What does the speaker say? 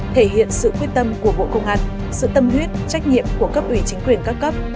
thể hiện sự quyết tâm của bộ công an sự tâm huyết trách nhiệm của cấp ủy chính quyền các cấp